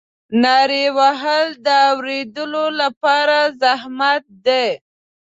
نارې وهل د اورېدلو لپاره زحمت دی.